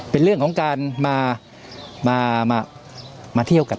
เป็นเรื่องของการมาเที่ยวกัน